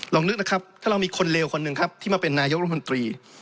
นึกนะครับถ้าเรามีคนเลวคนหนึ่งครับที่มาเป็นนายกรัฐมนตรี